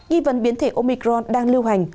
ghi vấn biến thể omicron đang lưu hành